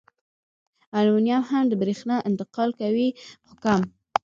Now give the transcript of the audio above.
المونیم هم د برېښنا انتقال کوي خو کم.